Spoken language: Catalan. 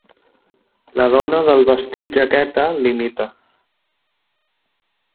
La dona del vestit-jaqueta l'imita.